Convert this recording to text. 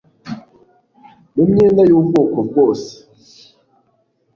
Mu myenda y'ubwoko bwose